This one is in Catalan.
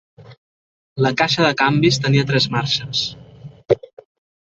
La caixa de canvis tenia tres marxes.